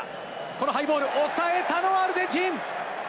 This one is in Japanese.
このハイボール、おさえたのはアルゼンチン。